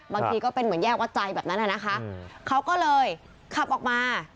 ก็เป็นเหมือนแยกวัดใจแบบนั้นนะคะเขาก็เลยขับออกมา